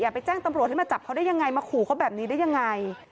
ไปแจ้งตำรวจให้มาจับเขาได้ยังไงมาขู่เขาแบบนี้ได้ยังไง